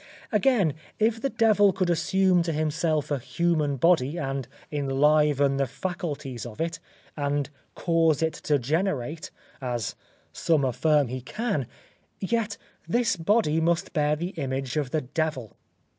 Again, if the devil could assume to himself a human body and enliven the faculties of it, and cause it to generate, as some affirm he can, yet this body must bear the image of the devil.